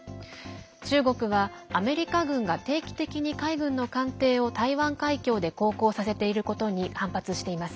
中国は、アメリカ軍が定期的に海軍の艦艇を台湾海峡で航行させていることに反発しています。